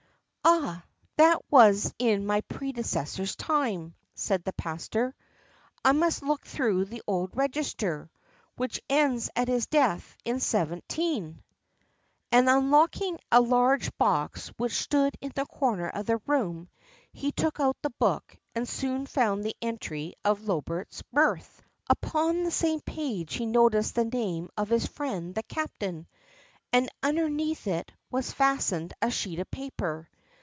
"Ah, that was in my predecessor's time," said the pastor; "I must look through the old register, which ends at his death in 17—," and unlocking a large box which stood in the corner of the room, he took out the book, and soon found the entry of Lobert's birth. Upon the same page he noticed the name of his friend the captain, and underneath it was fastened a sheet of paper.